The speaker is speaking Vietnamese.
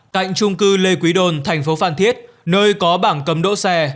tại trung cư lê quý đôn thành phố phan thiết nơi có bảng cấm đỗ xe